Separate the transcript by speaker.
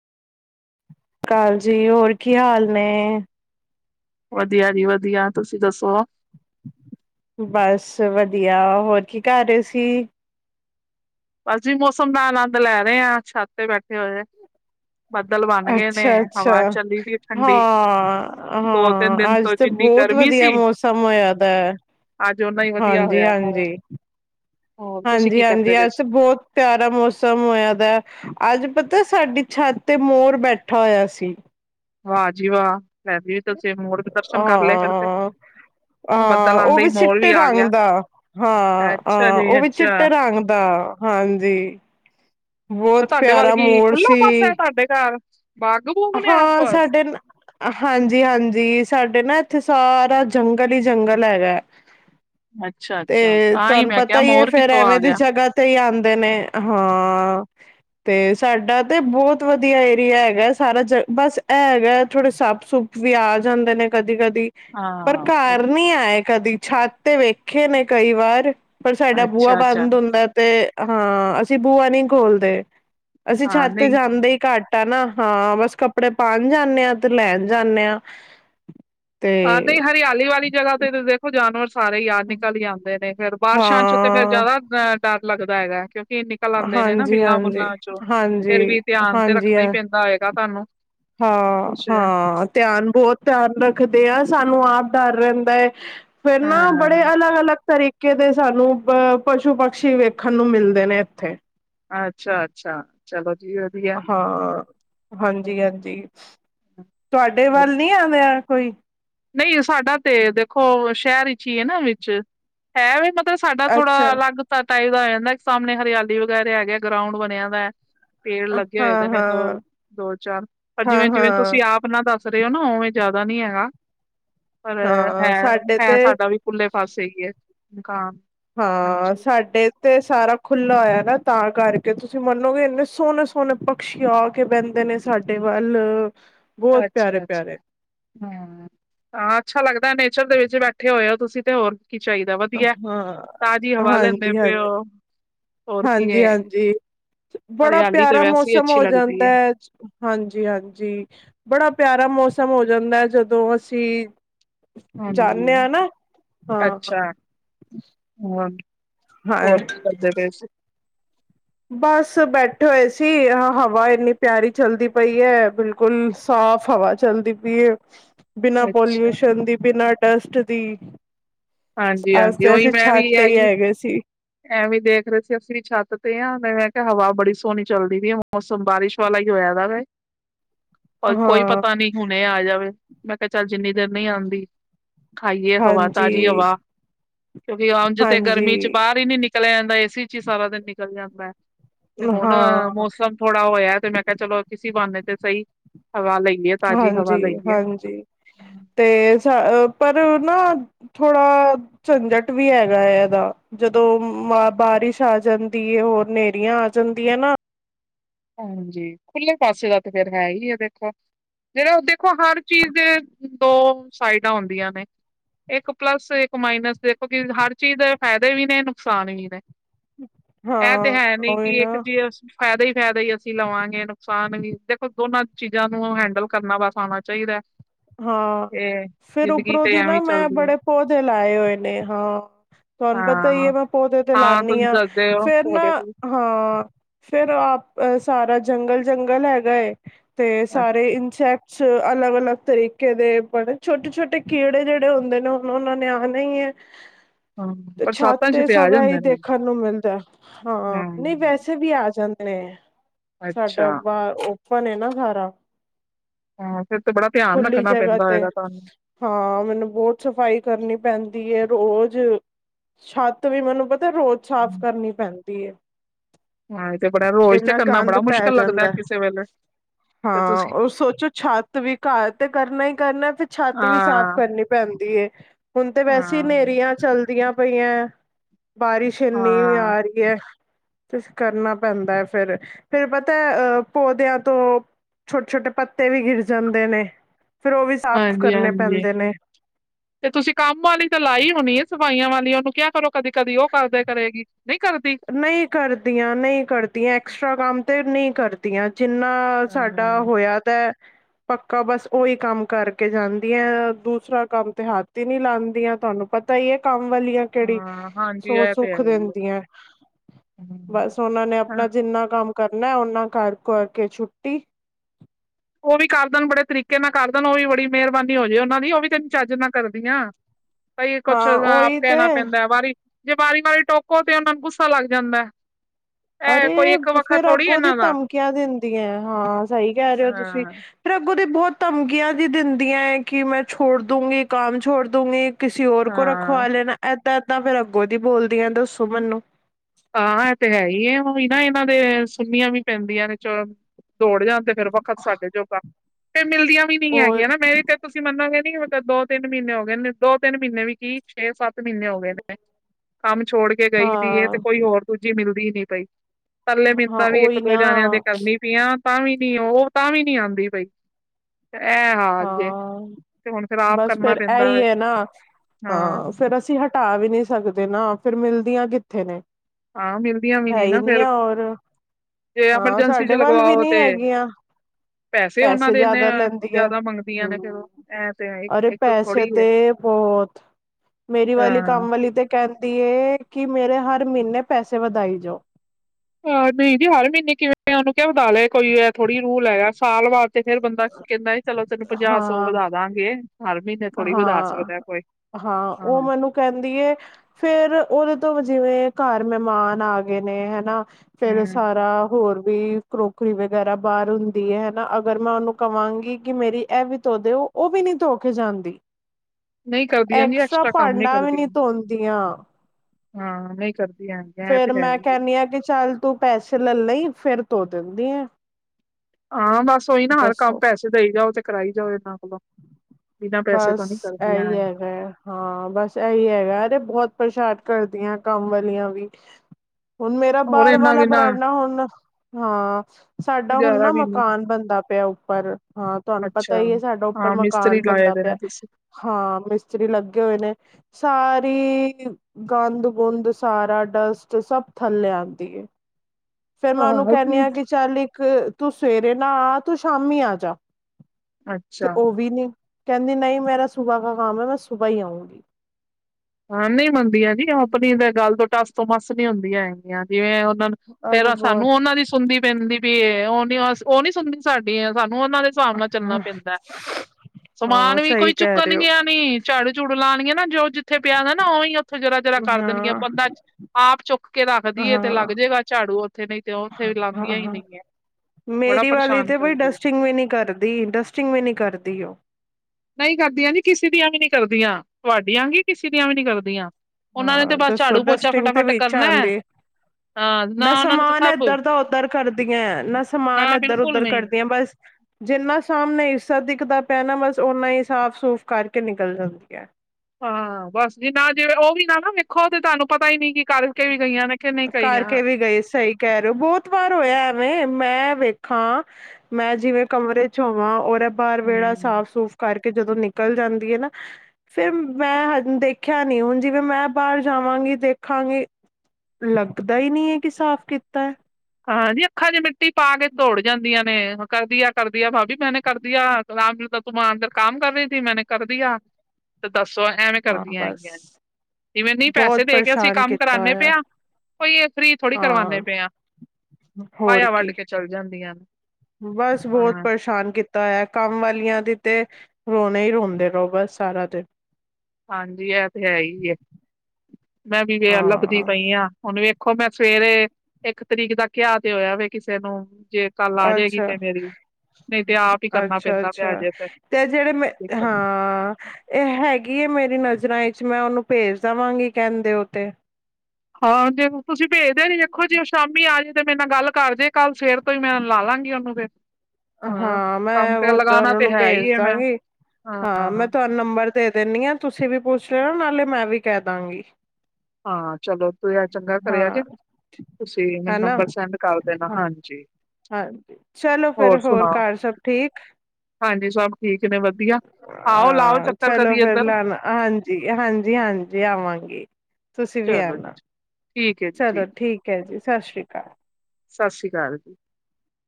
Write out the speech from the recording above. Speaker 1: ਕਾਲ ਜੀ ਹੋਰ ਕੀ ਹਾਲ ਨੇ?
Speaker 2: ਵਧੀਆ ਜੀ ਵਧੀਆ ਤੁਸੀਂ ਦੱਸੋ?
Speaker 1: ਬਸ ਵਧੀਆ, ਹੋਰ ਕੀ ਕਰ ਰਹੇ ਸੀ?
Speaker 2: ਅਸੀ ਮੌਸਮ ਦਾ ਆਨੰਦ ਲੈ ਰਹੇ ਹਾ ਛੱਤ ਤੇ ਬੈਠੇ ਹੋਏ। ਬੱਦਲ ਬਣ ਗਏ ਨੇ
Speaker 1: ਅੱਛਾ-ਅੱਛਾ
Speaker 2: ਹਵਾ ਚੱਲੀ ਦੀ ਠੰਡੀ
Speaker 1: ਹਾਂ,
Speaker 2: ਦੋ ਤਿੰਨ
Speaker 1: ਹਾਂ
Speaker 2: ਦਿਨ
Speaker 1: ਆਜ।
Speaker 2: ਤੋਂ
Speaker 1: ਤੇ
Speaker 2: ਜਿੰਨੀ
Speaker 1: ਬੋਤ
Speaker 2: ਗਰਮੀ
Speaker 1: ਵਧੀਆ
Speaker 2: ਸੀ
Speaker 1: ਮੌਸਮ ਹੋਇਆ ਦਾ ਏ
Speaker 2: ਅੱਜ ਓਨਾ ਹੀ ਵਧੀਆ ਹੋਇਆ ਦਾ ਹੈ
Speaker 1: ਹਾਂਜੀ-ਹਾਂਜੀ।
Speaker 2: ਹੋਰ ਤੁਸੀਂ ਕੀ
Speaker 1: ਹਾਂਜੀ-ਹਾਂਜੀ
Speaker 2: ਕਰਦੇ ਪਏ
Speaker 1: ਅਜ
Speaker 2: ਸੀ
Speaker 1: ਤ ਬੋਤ ਪਿਆਰਾ ਮੌਸਮ ਹੋਇਆ ਦਾ। ਅੱਜ ਪਤਾ ਸਾਡੀ ਛੱਤ ਤੇ ਮੋਰ ਬੈਠਾ ਹੋਇਆ ਸੀ।
Speaker 2: ਵਾਹ ਜੀ ਵਾਹ ਜ ਤੁਸੀੇ ਮੋਰ ਦੇ ਦਰਸ਼ਨ ਕਰ ਲਏ ਫੇਰ ਤੇ।
Speaker 1: ਹਾਂ। ਹਾਂ
Speaker 2: ਬੱਦਲ
Speaker 1: ਉਹ
Speaker 2: ਆਉਂਦੇ ਹੀ
Speaker 1: ਵੀ
Speaker 2: ਮੋਰ
Speaker 1: ਚਿੱਟੇ
Speaker 2: ਆ ਗਿਆ
Speaker 1: ਰੰਗ ਦਾ, ਹਾਂ
Speaker 2: ਅੱਛਾ
Speaker 1: ਆ
Speaker 2: ਜੀ
Speaker 1: ਉਹ ਵੀ
Speaker 2: ਅੱਛਾ
Speaker 1: ਚਿੱਟੇ ਰੰਗ ਦਾ। ਹਾਂਜੀ।
Speaker 2: ਅੱਛਾ
Speaker 1: ਬਹੁਤ
Speaker 2: ਤੁਹਾਡੇ ਵੱਲ
Speaker 1: ਪਿਆਰਾ
Speaker 2: ਕੀ
Speaker 1: ਮੋਰ
Speaker 2: ਖੁਲਾ ਪਾਸਾ
Speaker 1: ਸੀ
Speaker 2: ਹੈ ਤੁਹਾਡੇ ਘਰ, ਬਾਗ ਬੂਗ ਨੇ।
Speaker 1: ਹਾਂ
Speaker 2: ਪਾਸ
Speaker 1: ਸਾਡੇ। ਹਾਂਜੀ-ਹਾਂਜੀ ਸਾਡੇ ਨਾ ਇੱਥੇ ਸਾਰਾ ਜੰਗਲ ਹੀ ਜੰਗਲ ਹੈਗਾ। ਤੇ
Speaker 2: ਅੱਛਾ-ਅੱਛਾ ਤਾਂ ਹੀ
Speaker 1: ਤੁਹਾਨੂੰ
Speaker 2: ਮੈਂ ਕਿਹਾ
Speaker 1: ਪਤਾ ਹੈ
Speaker 2: ਮੋਰ
Speaker 1: ਫੇਰ
Speaker 2: ਕਿੱਥੋਂ ਆ
Speaker 1: ਐਵੇਂ ਦੀ
Speaker 2: ਗਿਆ।
Speaker 1: ਜਗ੍ਹਾ ਤੇ ਹੀ ਆਉਂਦੇ ਨੇ, ਹਾਂ। ਤੇ ਸਾਡਾ ਤੇ ਬੋਤ ਵਧੀਆ ਏਰੀਆ ਹੈਗਾ। ਸਾਰਾ ਜ ਬਸ ਐ ਹੈਗਾ ਥੋੜੇ ਸੱਪ ਸੁੱਪ ਵੀ ਆ ਜਾਂਦੇ ਨੇ ਕਦੀ-ਕਦੀ। ਪਰ
Speaker 2: ਹਾਂ
Speaker 1: ਘਰ ਨੀ ਆਏ ਕਦੀ ਛੱਤ ਤੇ ਵੇਖੇ ਨੇ ਕਈ ਵਾਰ। ਪਰ ਸਾਡਾ ਬੂਆ
Speaker 2: ਅੱਛਾ ਅੱਛਾ
Speaker 1: ਬੰਦ ਹੁੰਦਾ ਤੇ, ਹਾਂ ਅਸੀਂ ਬੂਆ ਨੀ ਖੋਲਦੇ। ਅਸੀਂ
Speaker 2: ਹਾਂ
Speaker 1: ਛੱਤ ਤੇ
Speaker 2: ਨਹੀਂ
Speaker 1: ਜਾਂਦੇ ਈ ਘੱਟ ਆ ਨਾ। ਹਾਂ ਬਸ ਕੱਪੜੇ ਪਾਉਣ ਜਾਂਦੇ ਹਾਂ ਤੇ ਲੈਣ ਜਾਂਦੇ ਹਾਂ। ਤੇ
Speaker 2: ਆ ਨਹੀਂ ਹਰਿਆਲੀ ਵਾਲੀ ਜਗਾ ਤੇ ਦੇਖੋ ਜਾਨਵਰ ਸਾਰੇ ਆ ਨਿਕਲ ਜਾਂਦੇ ਨੇ ਫੇਰ। ਬਾਰਿਸ਼ਾਂ ਚ ਤੇ ਫੇਰ
Speaker 1: ਹਾਂ
Speaker 2: ਜ਼ਿਆਦਾ ਅਹ ਡਰ ਲੱਗਦਾ ਹੈਗਾ ਕਿਉਂਕਿ ਨੀ- ਕਲ ਲਾਉਂਦੇ ਨੇ ਨਾ
Speaker 1: ਹਾਂਜੀ
Speaker 2: ਬਿੱਲਾਂ
Speaker 1: ਹਾਂਜੀ
Speaker 2: ਬੁੱਲਾਂ ਚੋਂ ਫੇਰ
Speaker 1: ਹਾਂਜੀ
Speaker 2: ਵੀ ਧਿਆਨ ਤੇ ਰੱਖਣਾ ਹੀ ਪੈਂਦਾ ਹੋਏਗਾ ਤੁਹਾਨੂੰ। ਕੁਛ
Speaker 1: ਹਾਂ-ਹਾਂ ਧਿਆਨ ਬੋਤ ਧਿਆਨ ਰੱਖਦੇ ਆ ਸਾਨੂੰ ਆਪ ਡਰ ਰਹਿੰਦਾ ਹੈ। ਫੇਰ ਨਾ
Speaker 2: ਹਾਂ
Speaker 1: ਬੜੇ ਅਲੱਗ- ਅਲਗ ਤਰੀ- ਕੇ ਦੇ ਇਸ ਹਿਸਾਬ ਨਾਲ ਅ ਪਸ਼ੂ ਪਕਸ਼ੀ ਵੇਖਣ ਨੂੰ ਮਿਲਦੇ ਨੇ ਇੱਥੇ।
Speaker 2: ਅੱਛਾ-ਅੱਛਾ ਚਲੋ ਜੀ ਓ।
Speaker 1: ਹਾਂ, ਹਾਂਜੀ-ਹਾਂਜੀ ਤੁਹਾਡੇ ਵੱਲ ਨੀ ਆਉਂਦਾ ਕੋਈ।
Speaker 2: ਨਹੀਂ ਸਾਡਾ ਤੇ ਦੇਖੋ ਸ਼ਹਿਰ ਵਿੱਚ ਹੀ ਹੈ ਨਾ ਵਿੱਚ। ਹੈ ਵੇ ਮਗਰ ਸਾਡਾ ਥੋੜਾ
Speaker 1: ਅੱਛਾ
Speaker 2: ਅਲੱਗ। ਟਾਈਪ ਆ ਜਾਂਦਾ ਏ ਸਾਹਮਣੇ ਹਰਿਆਲੀ ਵਗੈਰਾ ਹੈਗੇ ਗਰਾਉਂਡ ਬਣਿਆ ਵੇ ਏ। ਪੇੜ ਲੱਗੇ ਹੋਏ
Speaker 1: ਹਾਂ
Speaker 2: ਦੇ ਨੇ
Speaker 1: ਹਾਂ
Speaker 2: ਦੋ, ਦੋ-ਚਾਰ ਪਰ
Speaker 1: ਹਾਂ
Speaker 2: ਜਿਵੇਂ- ਜਿਵੇਂ
Speaker 1: ਹਾਂ
Speaker 2: ਤੁਸੀਂ ਆਪ ਨਾ ਦੱਸ ਦੱਸ ਰਹੇ ਹੋ ਨਾ ਉਵੇਂ ਜ਼ਿਆਦਾ ਨੀ ਹੈਗਾ। ਪਰ ਹੈ,
Speaker 1: ਹਾਂ ਸਾਡੇ
Speaker 2: ਹੈ
Speaker 1: ਤੇ
Speaker 2: ਸਾਡਾ ਵੀ ਖੁੱਲੇ ਪਾਸੇ ਈ ਏ ਮੁਕਾਨ।
Speaker 1: ਹਾਂ ਸਾਡੇ। ਤੇ ਸਾਰਾ ਖੁੱਲਾ ਹੋਇਆ ਨਾ ਤਾਂ ਕਰਕੇ ਤੁਸੀਂ ਮੰਨੋਗੇ ਇੰਨੇ ਸੋਹਣੇ- ਸੋਹਣੇ ਪ- ਪੰਛੀ ਆ ਕੇ ਬਹਿੰਦੇ ਨੇ ਸਾਡੇ ਵੱਲ। ਬਹੁਤ ਪਿਆਰੇ
Speaker 2: ਅੱਛਾ-ਅੱਛਾ।
Speaker 1: ਪਿਆਰੇ
Speaker 2: ਹਾਂ, ਅੱਛਾ ਲੱਗਦਾ ਨੇਚਰ ਦੇ ਵਿੱਚ ਬੈਠੇ ਹੋਏ ਹੋ ਤੁਸੀਂ ਤੇ ਹੋਰ। ਕੀ ਚਾਹੀਦਾ ਵਧੀਆ
Speaker 1: ਅਹ ਹਾਂ,
Speaker 2: ਤਾਜ਼ੀ ਹਵਾ ਲੈਂਦੇ ਪਏ
Speaker 1: ਹਾਂਜੀ-ਹਾਂਜੀ।
Speaker 2: ਹੋ ਹੋਰ ਕੀ ਹੈ
Speaker 1: ਹਾਂਜੀ-ਹਾਂਜੀ, ਬੜਾ
Speaker 2: ਹਰਿਆਲੀ ਤੇ
Speaker 1: ਪਿਆਰਾ
Speaker 2: ਵੈਸੇ ਹੀ
Speaker 1: ਮੌਸਮ
Speaker 2: ਅੱਛੀ
Speaker 1: ਹੋ
Speaker 2: ਲੱਗਦੀ
Speaker 1: ਜਾਂਦਾ
Speaker 2: ਹੈ
Speaker 1: ਐ 'ਚ ਹਾਂਜੀ-ਹਾਂਜੀ ਬੜਾ ਪਿਆਰਾ ਮੌਸਮ ਹੋ ਜਾਂਦਾ, ਜਦੋਂ ਅਸੀਂ, ਜਾਂਦੇ
Speaker 2: ਹਾਂਜੀ
Speaker 1: ਆ ਨਾ, ਹਾਂ।
Speaker 2: ਹਨ,
Speaker 1: ਹਾਂ
Speaker 2: ਹੋਰ ਕੀ ਕਰਦੇ ਪਏ ਸੀ
Speaker 1: ਬਸ ਬੈਠੇ ਹੋਏ ਸੀ ਹਵਾ ਇੰਨੀ ਪਿਆਰੀ ਚਲਦੀ ਪਈ ਐ, ਬਿਲ ਕੋਈ ਸਾਫ ਹਵਾ ਚਲਦੀ ਪਈ ਐ। ਬਿਨਾ
Speaker 2: ਅੱਛਾ
Speaker 1: ਪੋਲਿਊਸ਼ਨ ਦੀ, ਬਿਨਾ ਡਸਟ ਦੀ।
Speaker 2: ਹਾਂਜੀ ਹਾਂਜੀ
Speaker 1: ਅੱਜ ਅਸੀਂ ਛੱਤ ਤੇ ਹੀ ਹੈਗੇ ਸੀ।
Speaker 2: ਐਵੇ ਦੇਖ ਰਹੇ ਸੀ ਅਸੀਂ ਛੱਤ ਤੇ ਆਂ, ਮੈਂ ਕਿਹਾ ਹਵਾ ਬੜੀ ਸੋਹਣੀ ਚੱਲਦੀ ਪਈ ਆ, ਮੌਸਮ ਬਾਰਿਸ਼। ਵਾਲਾ ਹੋਇਆ ਦੇ ਵੇ। ਕੋਈ
Speaker 1: ਹਾਂ
Speaker 2: ਪਤਾ ਨੀ ਹੁਣੇ ਆ ਜਾਵੇ, ਮੈਂ ਕਿਹਾ ਚੱਲ ਜਿੰਨੀ ਦੇਰ ਨਹੀਂ ਆਂਦੀ। ਖਾਈਏ ਹਵਾ, ਤਾਜ਼ੀ
Speaker 1: ਹਾਂਜੀ
Speaker 2: ਹਵਾ। ਕਿਉਂਕਿ ਆਮ ਜ ਤੇ
Speaker 1: ਹਾਂਜੀ
Speaker 2: ਗਰਮੀ 'ਚ ਬਾਹਰ ਹੀ ਨੀ ਨਿਕਲਿਆ ਜਾਂਦਾ, ਏਸੀ ਹੀ ਸਾਰਾ ਦਿਨ ਨਿਕਲ ਜਾਂਦਾ ਤੇ ਹੁਨ
Speaker 1: ਹਾਂ
Speaker 2: ਮੌਸਮ? ਥੋੜਾ ਹੋਇਆ ਤੇ ਮੈਂ ਕਿਹਾ ਚਲੋ, ਕਿਸੀ ਬਹਾਨੇ ਤੇ ਸਹੀ, ਹਵਾ ਲਈਏ। ਤਾਜ਼ੀ
Speaker 1: ਹਾਂਜੀ
Speaker 2: ਹਵਾ ਲਈਏ
Speaker 1: -ਹਾਂਜੀ, ਤੇ ਸ ਪਰ ਨਾ। ਥੋੜਾ ਝੰਜਟ ਵੀ ਹੈਗਾ ਏ ਇਹਦਾ। ਜਦੋਂ ਅ ਬਾਰਿਸ਼ ਆ ਜਾਂਦੀ ਏ, ਹੋਰ ਹਨੇਰੀਆਂ ਆ ਜਾਂਦੀਆਂ ਨਾ।
Speaker 2: ਹਾਂਜੀ, ਖੁੱਲੇ ਪੈਸੇ ਦਾ ਤੇ ਫੇਰ ਹੈ ਹੀ ਏ, ਦੇਖੋ। ਫਿਰ ਉਹ ਦੇਖੋ, ਹਰ ਚੀਜ਼ ਦੇ ਦੋ ਸਾਈਡਾਂ ਹੁੰਦੀਆਂ ਨੇ। ਇੱਕ ਪਲੱਸ ਇੱਕ ਮਾਈਨਸ, ਦੇਖੋ, ਕਿ ਹਰ ਚੀਜ਼ ਦੇ ਫੈਦੇ ਵੀ, ਨੇ ਨੁਕਸਾਨ ਵੀ ਨੇ। ਐਹ
Speaker 1: ਹਾਂ
Speaker 2: ਤੇ ਹੈ ਨੀ
Speaker 1: ਉਹੀ
Speaker 2: ਕਿ
Speaker 1: ਨਾ
Speaker 2: ਇੱਕ ਜਿਹਾ ਫਾਇਦਾ। ਫੈਦਾ ਹੀ ਅਸੀਂ ਲਵਾਂਗੇ ਨੁਕਸਾਨ ਵੀ, ਦੇਖੋ ਦੋਨਾਂ ਚੀਜ਼ਾਂ ਨੂੰ ਹੈਂਡਲ ਕਰਨਾ ਬਸ ਆਉਣਾ ਚਾਹੀਦਾ।
Speaker 1: ਹਾਂ
Speaker 2: ਤੇ
Speaker 1: ਫੇਰ
Speaker 2: ਜ਼ਿੰਦਗੀ
Speaker 1: ਉਪਰੋਂ
Speaker 2: ਤੇ
Speaker 1: ਦੀ ਨਾ,
Speaker 2: ਐਵੇਂ
Speaker 1: ਮੈਂ
Speaker 2: ਚੱਲਦੀ ਹੈ
Speaker 1: ਬੜੇ ਪੌਦੇ ਲਾਏ ਹੋਏ ਨੇ, ਹਾਂ। ਤੁਹਾਨੂੰ ਪਤਾ ਹੀ
Speaker 2: ਹਾਂ।
Speaker 1: ਐ, ਮੈਂ ਪੌਦੇ ਤੇ ਲਾਉੰਦੀ
Speaker 2: ਤੁਸੀਂ
Speaker 1: ਹਾਂ,
Speaker 2: ਦੱਸਦੇ ਹੋ
Speaker 1: ਫੇਰ ਨਾ।
Speaker 2: ਪੌਦੇ ਤੇ
Speaker 1: ਹਾਂ, ਫੇਰ ਆਪ ਸਾਰਾ ਜੰਗਲ -ਜੰਗਲ ਹੈਗਾ ਏ। ਤੇ ਸਾਰੇ ਇਨਸੈਕਟਸ ਅਲੱਗ- ਅਲੱਗ। ਤਰੀਕੇ ਦੇ ਬਣੇ, ਛੋਟੇ -ਛੋਟੇ ਕੀੜੇ ਜੇੜੇ ਹੁੰਦੇ ਨੇ, ਹੁਣ ਉਹਨਾਂ ਨੇ ਆਣਾ ਹੀ ਹੈ।
Speaker 2: ਅੱਛਾ
Speaker 1: ਤੇ ਛੱਤ
Speaker 2: ਬਰਸਾਤਾਂ ਚ
Speaker 1: ਤੇ
Speaker 2: ਆ
Speaker 1: ਸਭ ਐਹੀ
Speaker 2: ਜਾਂਦੇ ਨੇ।
Speaker 1: ਦੇਖਣ ਨੂੰ ਮਿਲਦਾ, ਹਾਂ ਨਹੀਂ
Speaker 2: ਹੂੰ
Speaker 1: ਵੈਸੇ। ਉੱਥੇ ਵੀ ਆ ਜਾਂਦੇ ਨੇ,
Speaker 2: ਅੱਛਾ
Speaker 1: ਸਾਡਾ ਬਾਰ ਉਪਨ ਹੈ ਨਾ ਸਾਰਾ।
Speaker 2: ਹਾਂ, ਫੇਰ ਤੇ ਬੜਾ ਧਿਆਨ
Speaker 1: ਖੁੱਲੀ
Speaker 2: ਰੱਖਣਾ
Speaker 1: ਜਗ੍ਹਾ
Speaker 2: ਪੈਂਦਾ
Speaker 1: ਤੇ
Speaker 2: ਹੋਏਗਾ ਤੁਹਾਨੂੰ।
Speaker 1: ਹਾਂ, ਮੈਨੂੰ ਬਹੁਤ ਸਫਾਈ ਕਰਨੀ ਪੈਂਦੀ ਏ ਰੋਜ਼। ਛੱਤ ਵੀ, ਮੈਨੂੰ ਪਤਾ, ਰੋਜ਼ ਸਾਫ਼ ਕਰਨੀ ਪੈਂਦੀ ਏ।
Speaker 2: ਹਾਂ, ਤੇ ਬੜਾ ਰੋਜ ਤੇ ਕਰਨਾ ਬੜਾ
Speaker 1: ਪੈ
Speaker 2: ਮੁਸ਼ਕਿਲ ਲੱਗਦਾ
Speaker 1: ਜਾਂਦਾ
Speaker 2: ਕਿਸੇ ਵੇਲੇ। ਤੇ
Speaker 1: ਹਾਂ
Speaker 2: ਤੁਸੀਂ
Speaker 1: ਉਹ ਸੋਚੋ, ਛੱਤ ਵੀ ਘਰ ਤੇ ਕਰਨਾ ਹੀ ਕਰਨਾ, ਫੇਰ ਛੱਤ ਵੀ ਸਾਫ਼
Speaker 2: ਹਾਂ
Speaker 1: ਕਰਨੀ ਪੈਂਦੀ ਏ। ਹੁਣ ਤੇ ਵੈਸੇ
Speaker 2: ਹਾਂ
Speaker 1: ਹਨੇਰੀਆਂ ਚਲਦੀਆਂ ਪਈਆਂ, ਬਾਰਿਸ਼ ਇੰਨੀ
Speaker 2: ਹਾਂ
Speaker 1: ਆ ਰਹੀ ਹੈ। ਇਸ ਕਰਨਾ ਪੈਂਦਾ ਹੈ ਫੇਰ -ਫੇਰ, ਪਤਾ ਹੈ, ਆ ਪੌਦਿਆਂ ਤੋਂ। ਛੋਟੇ- ਛੋਟੇ ਪੱਤੇ ਵੀ ਗਿਰ ਜਾਂਦੇ ਨੇ, ਫਿਰ ਉਹ ਵੀ ਸਾਫ
Speaker 2: ਹਾਂਜੀ,
Speaker 1: ਕਰਨੇ
Speaker 2: ਹਾਂਜੀ
Speaker 1: ਪੈਂਦੇ ਨੇ।
Speaker 2: [inaudible] ਤੇ ਤੁਸੀਂ ਕੰਮ ਵਾਲੀ ਤਾਂ ਲਾਈ ਹੋਣੀ ਏ, ਸਫਾਈਆਂ ਵਾਲੀਆਂ, ਉਹਨੂੰ ਕਿਆ ਕਰੋ ਕਦੀ -ਕਦੀ ਉਹ ਕਰਦਿਆ ਕਰੇਗੀ। ਨਹੀ ਕਰਦੀ।
Speaker 1: ਨਈ ਕਰਦੀਆਂ, ਨਈ ਕਰਦੀਆਂ, ਐਕਸਟਰਾ ਕੰਮ ਤੇ ਨਈ ਕਰਦੀਆਂ। ਜਿੰਨਾ ਸਾਡਾ
Speaker 2: ਹਾਂ,
Speaker 1: ਹੋਇਆ ਦੈ।
Speaker 2: [unintelligible]
Speaker 1: ਪੱਕਾ ਬਸ ਉਹੀ ਕੰਮ ਕਰਕੇ ਜਾਂਦੀਆਂ ਦੂਸਰਾ ਕੰਮ ਤੇ ਹੱਥ ਹੀ ਨਹੀਂ ਲਾਉਂਦੀਆਂ ਤੁਹਾਨੂੰ, ਪਤਾ ਹੀ ਹੈ ਕੰਮ ਵਾਲੀਆਂ ਕਿਹੜੀ,
Speaker 2: ਹਾਂ ਹਾਂਜੀ
Speaker 1: ਸੋ
Speaker 2: ਇਹ ਤੇ ਹੈ
Speaker 1: ਸੁੱਖ
Speaker 2: ਹੀ ਆ।
Speaker 1: ਦਿੰਦੀਆਂ।
Speaker 2: ਹੂੰ,
Speaker 1: ਬਸ ਉਹਨਾਂ ਨੇ
Speaker 2: ਹਾਂ
Speaker 1: ਆਪਣਾ ਜਿੰਨਾ ਕੰਮ ਕਰਨਾ ਓਨਾ ਕਰ ਘ ਕੇ ਛੁੱਟੀ।
Speaker 2: ਉਹ ਵੀ ਕਰਦਣ ਬੜੇ ਤਰੀਕੇ ਨਾਲ ਕਰਦਣ, ਉਹ ਵੀ ਬੜੀ ਮਿਹਰਬਾਨੀ ਹੋ ਜੇ ਉਹਨਾਂ ਦੀ ਉਹ ਵੀ ਚਾਜ ਨਾਲ ਕਰਦੀ ਆ। ਬਾਈ ਕੁੱਛ
Speaker 1: ਹਾਂ
Speaker 2: ਆਪ
Speaker 1: ਉਹੀ
Speaker 2: ਕਹਿਣਾ
Speaker 1: ਤੇ
Speaker 2: ਪੈਂਦਾ ਵਾਰੀ, ਜੇ ਵਾਰੀ-ਵਾਰੀ ਟੋਕੋ ਤੇ ਉਹਨਾ ਨੂੰ ਗੁੱਸਾ ਲੱਗ ਜਾਂਦਾ। ਇਹ ਕੋਈ ਇੱਕ ਵੱਖਤ ਥੋੜ੍ਹੀ ਇਹਨਾਂ ਦਾ।
Speaker 1: ਕਹਿ ਦਿੰਦੀਆਂ ਹਾਂ, ਸਹੀ ਕਹਿ ਰਹੇ ਹੋ ਤੁਸੀਂ।
Speaker 2: ਹਾਂ,
Speaker 1: ਫਿਰ ਅੱਗੋ ਦੀ ਬਹੁਤ ਧਮਕੀਆ ਵੀ ਦਿੰਦੀਆਂ ਹੈ ਕਿ ਮੈਂ ਛੋੜ ਦੂੰਗੀ, ਕਾਮ ਛੋੜ ਦੂੰਗੀ। ਕਿਸੇ ਹੋਰ ਕੋਲ ਰਖਵਾ
Speaker 2: ਹਾਂ।
Speaker 1: ਲੈਣਾ ਇੱਦਾਂ-ਇੱਦਾਂ ਫਿਰ ਅੱਗੋ ਦੀ ਬੋਲਦੀ ਆ ਦੱਸੋ ਮੈਨੂੰ,
Speaker 2: ਹਾਂ, ਇਹ ਤੇ ਹੈ ਹੀ ਏ ਉਹ ਵੀ ਨਾ ਇਹਨਾਂ ਦੇ ਸੁਨੀਆਂ ਵੀ ਪੈਂਦੀਆਂ ਨੇ, ਚਲੋ। ਦੌੜ ਜਾਣ, ਤੇ ਫਿਰ ਵੱਖਤ ਸਾਡੇ ਜੋਗਾ, ਤੇ ਮਿਲਦੀਆਂ ਵੀ ਨੀ
Speaker 1: ਹੋਰ
Speaker 2: ਹੈਗੀਆ ਨਾ ਮੇਰੀ ਤੇ, ਤੁਸੀਂ ਮੰਨਾਗੇ ਨੀ ਦੋ-ਤਿੰਨ ਮਹੀਨੇ ਹੋ ਗਏ ਨੇ, ਦੋ-ਤਿੰਨ ਮਹੀਨੇ ਵੀ ਕੀ ਛੇ-ਸੱਤ ਮਹੀਨੇ ਹੋ ਗਏ ਨੇ। ਕੰਮ ਛੋੜ ਕੇ ਗਈ ਦੀ ਏ ਤੇ
Speaker 1: ਹਾਂ
Speaker 2: ਕੋਈ ਹੋਰ ਦੂਜੀ ਮਿਲਦੀ ਈ ਨੀ ਪਈ। ਤਰਲੇ
Speaker 1: ਹਾਂ
Speaker 2: ਮਿੰਨਤਾ ਵੀ ਇੱਕ
Speaker 1: ਉਹੀ
Speaker 2: ਦੋ
Speaker 1: ਨਾ
Speaker 2: ਜਾਣਿਆਂ ਦੇ ਕਰਨੀ, ਆਂ ਤਾਂ ਵੀ ਨੀ ਓ ਤਾਂ ਵੀ ਨੀ ਆਂਦੀ ਪਈ, ਐ।
Speaker 1: ਹਾਂ, ਬਸ
Speaker 2: ਕਰਨਾ
Speaker 1: ਫੇਰ
Speaker 2: ਪੈਂਦਾ
Speaker 1: ਐਈ
Speaker 2: ਵੇ
Speaker 1: ਏ ਨਾ, ਹਾਂ ਫੇਰ ਅਸੀਂ ਹਟਾ ਵੀ ਨੀ ਸਕਦੇ ਨਾ ਫੇਰ ਮਿਲਦੀਆਂ ਕਿੱਥੇ ਨੇ।
Speaker 2: ਹਾਂ ਮਿਲਦੀਆਂ ਵੀ
Speaker 1: ਹੈ
Speaker 2: ਨੀ
Speaker 1: ਈ
Speaker 2: ਨਾ
Speaker 1: ਨਈਂ
Speaker 2: ਫੇਰ
Speaker 1: ਆ ਹੋਰ।
Speaker 2: ਜੇ
Speaker 1: ਹਾਂ
Speaker 2: ਐਮਰਜੈਂਸੀ ਚ
Speaker 1: ਸਾਡੇ ਵੱਲ ਵੀ
Speaker 2: ਲਗਵਾਓ
Speaker 1: ਨੀ
Speaker 2: ਤੇ
Speaker 1: ਹੈਗੀਆ।
Speaker 2: ਉਹਨਾਂ
Speaker 1: ਪੈਸੇ
Speaker 2: ਦੇ ਇੰਨੇ
Speaker 1: ਜਿਆਦਾ ਲੈਂਦੀ ਆ।
Speaker 2: ਜ਼ਿਆਦਾ ਮੰਗਦੀਆਂ ਨੇ ਫੇਰ
Speaker 1: ਹੂੰ,
Speaker 2: ਉਹ ਇਹ ਤੇ
Speaker 1: ਅਰੇ
Speaker 2: ਇੱਕ
Speaker 1: ਪੈਸੇ
Speaker 2: ਥੋੜ੍ਹੀ
Speaker 1: ਤੇ ਬੋਤ। ਮੇਰੀ
Speaker 2: ਹੈ
Speaker 1: ਵਾਲੀ
Speaker 2: ਹਾਂ
Speaker 1: ਕੰਮ ਵਾਲੀ ਤੇ ਕਹਿੰਦੀ ਏ ਕਿ ਮੇਰੇ ਹਰ ਮਹੀਨੇ ਪੈਸੇ ਵਦਾਈ ਜਾਓ।
Speaker 2: ਆਹ ਨਈਂ ਜੀ ਹਰ ਮਹੀਨੇ ਕਿਵੇਂ ਓਨੂੰ ਕਿਆ ਵਧਾ ਲਿਆ ਕੋਈ ਏ ਥੋੜੀ ਰੂਲ ਹੈਗਾ। ਸਾਲ ਬਾਅਦ ਤੇ ਫੇਰ ਬੰਦਾ ਕਹਿੰਦਾ ਏ ਚਲੋ ਤੈਨੂੰ ਪੰਜਾਹ-ਸੌ
Speaker 1: ਹਾਂ,
Speaker 2: ਵਧਾ ਦਾਂਗੇ। ਹਰ ਮਹੀਨੇ ਥੋੜ੍ਹੀ ਵਧਾ
Speaker 1: ਹਾਂ,
Speaker 2: ਸਕਦਾ ਕੋਈ, ਹਾਂ।
Speaker 1: ਉਹ ਮੈਨੂੰ ਕਹਿੰਦੀ ਏ ਫੇਰ ਓਦੇ ਤੋਂ ਜਿਵੇਂ ਘਰ ਮਹਿਮਾਨ ਆ ਗਏ ਨੇ ਹੈਨਾ ਫੇਰ
Speaker 2: ਹਮ
Speaker 1: ਸਾਰਾ ਹੋਰ ਵੀ ਕਰੋਕਰੀ ਵਗੈਰਾ ਬਾਹਰ ਹੁੰਦੀ ਐ ਹੈਨਾ ਅਗਰ ਮੈਂ ਓਨੂੰ ਕਵਾਂਗੀ ਕਿ ਮੇਰੀ ਏਹ ਵੀ ਧੋ ਦਿਓ ਉਹ ਵੀ ਨੀ ਧੋ ਕੇ ਜਾਂਦੀ,
Speaker 2: ਨਹੀਂ ਕਰਦੀਆਂ ਜੀ
Speaker 1: ਐਕਸਟਰਾ
Speaker 2: ਕੰਮ ਨਹੀਂ
Speaker 1: ਭਾਂਡਾ ਵੀ
Speaker 2: ਕਰਦੀਆਂ
Speaker 1: ਨਈ ਧੋਂਦੀਆਂ।
Speaker 2: ਹਾਂ ਐਵੇਂ ਈ ਕਰਦੀਆ।
Speaker 1: ਫੇਰ ਮੈਂ ਕਹਿਨੀ ਆ ਕਿ ਚੱਲ ਤੂੰ ਪੈਸੇ ਲੈ ਲਈ ਫੇਰ ਧੋ ਦੇਂਦੀ ਐ।
Speaker 2: ਹਾਂ ਬਸ ਉਈ ਨਾ ਹਰ ਕੰਮ ਪੈਸੇ ਦੇਈ ਜਾਓ ਤੇ ਕਰਾਈ ਜਾਓ ਏਨਾਂ ਕੋਲੋਂ। ਬਿਨਾਂ ਪੈਸੇ
Speaker 1: ਬਸ
Speaker 2: ਤੋਂ ਨੀ ਕਰਦੀ
Speaker 1: ਇਹੀ
Speaker 2: ਐਂ।
Speaker 1: ਹੈਗਾ ਹੈ, ਹਾਂ ਬਸ ਏਹੀ ਹੈਗਾ ਅਰੇ ਬਹੁਤ ਪਰੇਸ਼ਾਨ ਕਰਦੀਆਂ ਕੰਮ ਵਾਲੀਆ ਵੀ। ਹੁਣ ਮੇਰਾ
Speaker 2: ਹੋਰ
Speaker 1: ਬਾਹਰ
Speaker 2: ਇਹਨਾਂ
Speaker 1: ਵਾਲਾ
Speaker 2: ਬਿਨਾਂ
Speaker 1: ਬਰਾਂਡਾ ਹੁਨ, ਹਾਂ ਸਾਡਾ ਹੁਨ
Speaker 2: ਗੁਜ਼ਾਰਾ
Speaker 1: ਨਾ
Speaker 2: ਵੀ ਨੀ
Speaker 1: ਮਕਾਨ ਬਣਦਾ ਪਿਆ ਉ ਉਪਰ ਹਾਂ ਤੁਆਨੂੰ
Speaker 2: ਅੱਛਾ
Speaker 1: ਪਤਾ ਈ ਐ ਸਾਡਾ ਉੱਪਰ
Speaker 2: ਹਾਂ
Speaker 1: ਮਕਾਨ
Speaker 2: ਮਿਸਤਰੀ ਲਾਏ
Speaker 1: ਬਣਦਾ
Speaker 2: ਦੇ
Speaker 1: ਪਿਆ
Speaker 2: ਨੇ ਤੁਸੀਂ
Speaker 1: ਹਾਂ ਮਿਸਤਰੀ ਲੱਗੇ ਹੋਏ ਨੇ। ਸਾਰੀ ਗੰਦ-ਗੁੰਦ ਸਾਰਾ ਡਸਟ ਸਬ ਥੱਲੇ ਆਂਦੀ ਏ। ਫੇਰ ਮੈਂ ਓਨੂੰ
Speaker 2: ਆਹੋ
Speaker 1: ਕਹਿਨੀ
Speaker 2: ਤੇ
Speaker 1: ਆ ਕਿ ਚੱਲ ਇੱਕ, ਤੂੰ ਸਵੇਰੇ ਨਾ ਆ ਤੂੰ ਸ਼ਾਮੀ ਆ ਜਾ ਤੇ
Speaker 2: ਅੱਛਾ
Speaker 1: ਓ ਵੀ ਨੀ, ਕਹਿੰਦੀ ਨਈਂ ਮੇਰਾ ਸੁਬਾਹ ਕਾ ਕੰਮ ਐ ਮੈਂ ਸੁਬਾਹ ਈ ਆਊਂਗੀ।
Speaker 2: ਹਾਂ ਨਈ ਮੰਨਦੀਆਂ ਜੀ ਓ ਆਪਣੀ ਤਾਂ ਗੱਲ ਤੋਂ ਟਸ ਤੋਂ ਮੱਸ ਨੀ ਹੁੰਦੀਆਂ ਹੈਗੀਆਂ ਜਿਵੇਂ ਓਨਾਂ ਨੂੰ
Speaker 1: ਅਰੇ
Speaker 2: ਫੇਰ ਸਾਨੂੰ
Speaker 1: ਬਹੁਤ
Speaker 2: ਓਨਾਂ ਦੀ ਸੁਣਦੀ ਪੈਂਦੀ ਵੀ ਏ, ਓ ਨੀ ਸੁਨਦੀ ਸਾਡੀ ਆ ਸਾਨੂੰ ਓਨਾਂ ਦੀ ਹਿਸਾਬ ਨਾਲ ਚੱਲਣਾ ਪੈਂਦਾ ਐ,
Speaker 1: ਹਾਂ
Speaker 2: ਸਮਾਨ ਵੀ
Speaker 1: ਸਹੀ
Speaker 2: ਕੋਈ
Speaker 1: ਕਹਿ
Speaker 2: ਚੁੱਕਣ
Speaker 1: ਰਹੇ ਹੋ
Speaker 2: ਗੀਆਂ ਨੀ। ਝਾੜੂ-ਝੁੜੂ ਲਾਣਗੀਆਂ ਨਾ ਜੋ ਜ ਜਿਥੇ ਪਿਆ ਵਾ ਨਾ ਓਈ ਉੱਥੇ ਜਰਾ-ਜਰਾ ਕਰ ਦੇਣਗੀਆਂ
Speaker 1: ਹਾਂ
Speaker 2: ਬੰਦਾ, ਆਪ ਚੁੱਕ ਕੇ ਰੱਖਦੀ ਏ ਤੇ ਲੱਗ
Speaker 1: ਹਾਂ
Speaker 2: ਜੇਗਾ ਝਾੜੂ। ਨਈ ਤੇ ਓ ਉੱਥੇ ਵੀ
Speaker 1: ਹਾਂ
Speaker 2: ਲਾਦੀਆਂ ਹੀ
Speaker 1: ਹਾਂ
Speaker 2: ਨਈ ਐ।
Speaker 1: ਮੇਰੀ ਵਾਲੀ ਤੇ ਬਈ ਡਸਟਿੰਗ ਵੀ ਨੀ ਕਰਦੀ, ਡਸਟਿੰਗ ਵੀ ਨੀ ਕਰਦੀ ਓ।
Speaker 2: ਨਈਂ ਕਰਦੀਆਂ ਜੀ ਕਿਸੇ ਦੀਆਂ ਵੀ ਨੀ ਕਰਦੀਆਂ, ਤੁਆਡੀਆਂ ਕੀ ਕਿਸੇ ਦੀਆਂ ਵੀ ਨੀ ਕਰਦੀਆਂ। ਓਨਾਂ ਨੇ ਤੇ
Speaker 1: ਹਾਂ
Speaker 2: ਬਸ
Speaker 1: ਦੱਸੋ
Speaker 2: ਝਾੜੂ-ਪੋਚਾ
Speaker 1: ਡਸਟਿੰਗ ਤੇ
Speaker 2: ਫਟਾਫਟ
Speaker 1: ਵਿੱਚ
Speaker 2: ਕਰਨਾ ਐ।
Speaker 1: ਆਉਂਦੀ ਨਾ ਸਮਾਨ ਏਧਰ ਦਾ ਓਧਰ ਕਰਦੀਐਂ, ਨਾ ਸਮਾਨ
Speaker 2: ਨਾ ਬਿਲਕੁਲ
Speaker 1: ਏਧਰ-ਉਧਰ
Speaker 2: ਨਹੀਂ
Speaker 1: ਕਰਦੀਆਂ ਬਸ ਜਿੰਨਾ ਸਾਮਣੇ ਹਿੱਸਾ ਦਿਖਦਾ ਪਿਆ ਨਾ ਬਸ ਓਨਾ ਹੀ ਸਾਫ਼-ਸੂਫ਼ ਕਰਕੇ ਨਿਕਲ ਜਾਂਦੀਆਂ ਐ।
Speaker 2: ਹਾਂ ਬਸ ਜਿੰਨਾ ਜੇ ਓ ਵੀ ਨਾ- ਨਾ ਵੇਖੋ ਤੇ ਤੁਆਨੂੰ ਪਤਾ ਈ ਨੀ ਕਿ ਕਰਕੇ ਵੀ ਗਈਆਂ ਨੇ। ਕਿ ਨਹੀਂ ਗਈਆਂ
Speaker 1: ਕਰਕੇ ਵੀ ਗਈ ਸਈ ਕੈਅ ਰਏ ਓ ਬੋਤ ਵਾਰ ਹੋਇਆ ਐਵੇਂ, ਮੈਂ ਵੇਖਾਂ ਮੈਂ ਜਿਵੇਂ ਕਮਰੇ ਚ ਹੋਵਾਂ ਔਰ ਏਹ ਬਾਅਰ ਵੇਹੜਾ
Speaker 2: ਹੂੰ
Speaker 1: ਸਾਫ-ਸੂਫ ਕਰਕੇ ਜਦੋਂ ਨਿਕਲ ਜਾਂਦੀ ਐ ਨਾ। ਫੇਰ ਮੈਂ ਹ ਦੇਖਿਆ ਨੀ ਹੁਣ ਜਿਵੇਂ ਮੈਂ ਬਾਅਰ ਜਾਵਾਂਗੀ ਦੇਖਾਂਗੀ। ਲੱਗਦਾ ਈ ਨਈਂ ਏ ਕਿ ਸਾਫ਼ ਕੀਤਾ ਐ।
Speaker 2: ਹਾਂਜੀ, ਅੱਖਾਂ ਚ ਮਿੱਟੀ ਪਾ ਕੇ ਦੋੜ ਜਾਂਦੀਆਂ ਨੇ, ਕਰਦੀ ਆ- ਕਰਦੀ ਆ ਬਾਬੀ ਮੈਂਨੇ ਕਰਦੀਆਂ। ਰਾਮ ਲੇਤਾਂ ਤੂੰ ਵਹਾਂ ਅੰਦਰ ਕੰਮ ਕਰ ਰਈ ਸੀ, ਮੈਂਨੇ ਕਰਦੀ ਆ ਤੇ ਦੱਸੋ ਐਵੇਂ
Speaker 1: ਹਾਂ
Speaker 2: ਕਰਦੀਆਂ
Speaker 1: ਬਸ
Speaker 2: ਹੈਗੀਆਂ। ਜਿਵੇਂ ਨੀ
Speaker 1: ਬਹੁਤ
Speaker 2: ਪੈਸੇ ਦੇ ਕੇ ਅਸੀਂ
Speaker 1: ਪਰੇਸ਼ਾਨ
Speaker 2: ਕੰਮ
Speaker 1: ਕੀਤਾ
Speaker 2: ਕਰਾਨੇ ਪਏ
Speaker 1: ਹੋਇਆ
Speaker 2: ਆ, ਕੋਈ ਇਹ ਫਰੀ ਥੋੜੀ ਕਰਵਾਨੇ
Speaker 1: ਹਾਂ
Speaker 2: ਪਏ ਆ।
Speaker 1: ਹੋਰ
Speaker 2: ਫਾਇਆ ਵੱਢ
Speaker 1: ਕੀ
Speaker 2: ਕੇ ਚਲ ਜਾਂਦੀਆਂ ਨੇ।
Speaker 1: ਬਸ ਬੋਹਤ
Speaker 2: ਹਾਂ
Speaker 1: ਪਰੇਸ਼ਾਨ ਕੀ- ਤਾ ਹੈ ਕੰਮ ਵਾਲੀਆਂ ਦੀ ਤੇ ਰੋਣੇ ਹੀ ਰੋਂਦੇ ਰਹੋ ਬਸ ਸਾਰਾ ਦਿਨ।
Speaker 2: ਹਾਂਜੀ ਇਹ ਤੇ ਹੈ ਹੀ ਐ, ਮੈਂ ਵੀ ਵੇ ਆ ਲੱਭਦੀ
Speaker 1: ਹਾਂ
Speaker 2: ਪਈ ਹਾਂ। ਹੁਣ ਵੇਖੋ ਮੈਂ ਸਵੇਰੇ ਇੱਕ ਤਰੀਕ ਦਾ ਕੇ ਆ ਤੇ ਹੋਇਆ ਵੇ ਕਿਸੇ ਨੂੰ। ਜੇ ਕੱਲ ਆ ਜਾਏਗੀ ਤੇ ਮੇਰੀ, ਨਹੀਂ ਤੇ ਆਪ ਹੀ ਕਰਨਾ
Speaker 1: ਅੱਛਾ-
Speaker 2: ਪੈਂਦਾ
Speaker 1: ਅੱਛਾ
Speaker 2: ਪਿਆ ਅਜੇ
Speaker 1: ਤੇ ਜਿਹੜੇ ਮੈਂ,
Speaker 2: ਠੀਕ ਹੈ।
Speaker 1: ਹਾਂ। ਇਹ ਹੈਗੀ ਏ ਮੇਰੀ ਨਜ਼ਰਾਂ ਚ ਮੈਂ ਉਹਨੂੰ ਭੇਜ ਦੇਵਾਂਗੀ ਕਹਿੰਦੇ ਉ ਤੇ।
Speaker 2: ਹਾਂ ਜੇ ਤੁਸੀਂ ਭੇਜਦੇ ਨੀ ਦੇੇਖੋ ਜੇ ਉਹ ਸ਼ਾਮੀ ਆ ਜੇ ਤੇ ਮੇਰੇ ਨਾਲ ਗੱਲ ਕਰ ਜੇ ਕੱਲ ਸਵੇਰ ਤੋਂ। ਈ ਮੈਂ ਲਾ ਲਾਂਗੀ ਉਹਨੂੰ ਫੇਰ।
Speaker 1: ਹਾਂ ਮੈਂ ਉਧਰ
Speaker 2: ਤੇ
Speaker 1: ਉਹਨੂੰ
Speaker 2: ਹੈ
Speaker 1: ਭੇਜ
Speaker 2: ਹੀ ਹੈ ਮੈਂ
Speaker 1: ਦਾਂਗੀ ਹਾਂ ਮੈਂ, ਤੁਹਾਨੂੰ ਨੰਬਰ ਤੇ ਦਿੰਦੀ ਆ ਤੁਸੀਂ ਵੀ ਪੁੱਛ ਲੇਓ ਨਾਲੇ ਮੈਂ ਵੀ ਕਹਿ ਦਾਂਗੀ।
Speaker 2: ਹਾਂ ਚਲੋ ਤੂੰਸੀ ਏ ਚੰਗਾ ਕਰਿਆ ਜੇ,
Speaker 1: ਹਾਂ
Speaker 2: ਤੁਸੀਂ ਮੈਨੂੰ
Speaker 1: ਹਨਾ
Speaker 2: ਨੰਬਰ ਸੈਂਡ ਕਰ ਦੇਣਾ
Speaker 1: ਹਾਂ
Speaker 2: ਹਾਂਜੀ।
Speaker 1: ਹਾਂਜੀ ਚਲੋ ਫੇਰ ਹੋਰ ਘਰ ਸਭ ਠੀਕ?
Speaker 2: ਹਾਂਜੀ ਸਭ ਠੀਕ ਨੇ ਵਧੀਆ, ਆਓ ਲਾਓ ਚੱਕਰ ਕਦੀ ਇੱਧਰ।
Speaker 1: ਹਾਂਜੀ- ਹਾਂਜੀ, ਹਾਂਜੀ ਆਵਾਂਗੇ। ਤੁਸੀਂ ਵੀ
Speaker 2: ਚਲੋ ਜੀ
Speaker 1: ਆਨਾ,
Speaker 2: ਠੀਕ ਹੈ ਜੀ
Speaker 1: ਚਲੋ ਠੀਕ ਹੈ ਜੀ ਸਤਿ ਸ੍ਰੀ ਅਕਾਲ।
Speaker 2: ਸਤਿ ਸ਼੍ਰੀ ਅਕਾਲ।